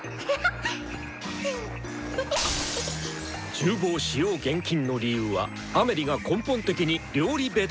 「厨房使用厳禁！」の理由はアメリが根本的に料理ベタだからだ！